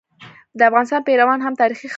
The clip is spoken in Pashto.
د افغانستان پيروان هم تاریخي خلک وو.